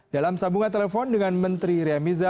dalam sambungan telepon dengan menteri ria miza